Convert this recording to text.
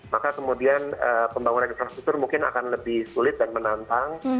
maka kemudian pembangunan infrastruktur mungkin akan lebih sulit dan menantang